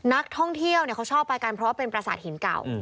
นักท่องเที่ยวเขาชอบไปกันเพราะว่าเป็นประสาทหินเก่า